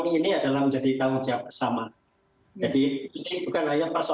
memang ini adalah menjadi tanggung jawab sama